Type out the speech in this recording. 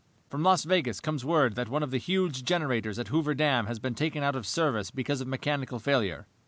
"From Las Vegas comes word that one of the huge generators at Hoover Dam has been taken out of service because of mechanical failure.